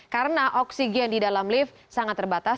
karena oksigen di dalam lift sangat terbatas